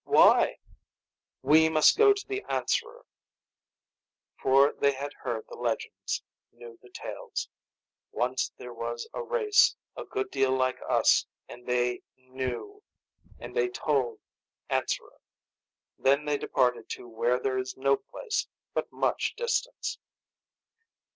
"Why?" "We must go to the Answerer." For they had heard the legends, knew the tales. "Once there was a race, a good deal like us, and they Knew and they told Answerer. Then they departed to where there is no place, but much distance."